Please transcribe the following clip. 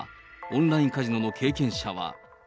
オンラインカジノの経験者は。